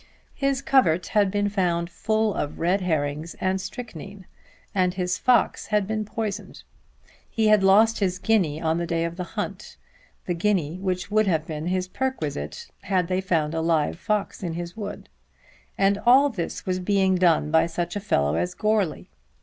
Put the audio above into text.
His covert had been found full of red herrings and strychnine, and his fox had been poisoned. He had lost his guinea on the day of the hunt, the guinea which would have been his perquisite had they found a live fox in his wood. And all this was being done by such a fellow as Goarly!